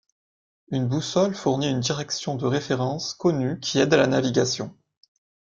Une boussole fournit une direction de référence connue qui aide à la navigation.